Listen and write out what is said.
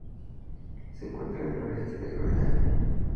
Se encuentra al noroeste de Groenlandia.